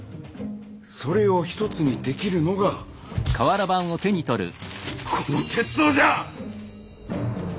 それを一つにできるのがこの鉄道じゃ！